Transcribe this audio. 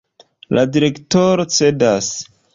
La direktoro cedas.